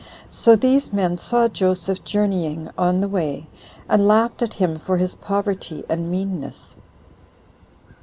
So these men saw Joseph journeying on the way, and laughed at him for his poverty and meanness.